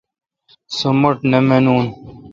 سو مٹھ نہ مانوں۔